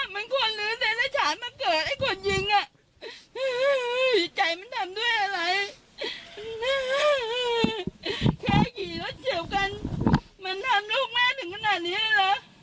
มันทำลูกแม่ถึงขนาดนี้หรอ